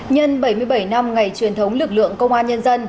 nhân bảy mươi bảy năm ngày truyền thống lực lượng công an nhân dân